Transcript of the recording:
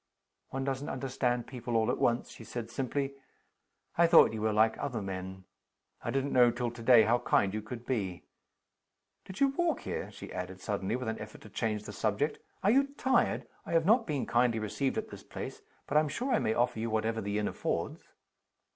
"One doesn't understand people all at once," she said, simply. "I thought you were like other men I didn't know till to day how kind you could be. Did you walk here?" she added, suddenly, with an effort to change the subject. "Are you tired? I have not been kindly received at this place but I'm sure I may offer you whatever the inn affords."